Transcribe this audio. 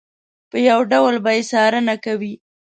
په یو ډول به یې څارنه کوي.